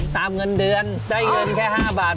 เงินเดือนได้เงินแค่๕บาท